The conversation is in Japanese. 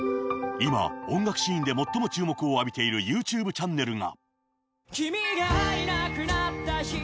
今、音楽シーンで最も注目を浴びているユーチューブチャンネルが。